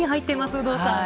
有働さん。